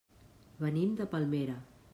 Venim de Palmera.